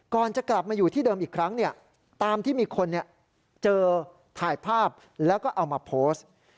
ก่อนจะกลับมาอยู่ที่เดิมอีกครั้งตามที่มีคนเจอถ่ายภาพแล้วก็เอามาโพสต์